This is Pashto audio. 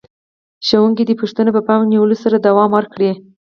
ښوونکي دې پوښتنې په پام کې نیولو سره دوام ورکړي.